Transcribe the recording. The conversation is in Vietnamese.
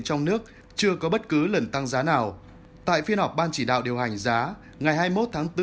trong nước chưa có bất cứ lần tăng giá nào tại phiên họp ban chỉ đạo điều hành giá ngày hai mươi một tháng bốn